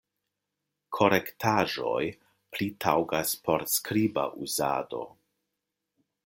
Korektaĵoj pli taŭgas por skriba uzado.